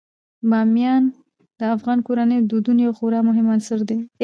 بامیان د افغان کورنیو د دودونو یو خورا مهم عنصر دی.